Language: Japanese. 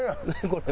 これ。